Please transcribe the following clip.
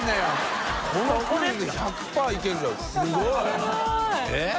すごい！えっ？